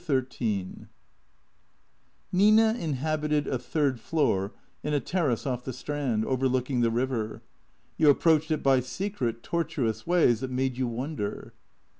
XIII NINA inhabited a third floor in a terrace off the Strand, overlooking the river. You approached it by secret, tortuous ways that made you wonder.